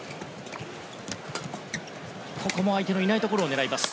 ここも相手のいないところを狙います。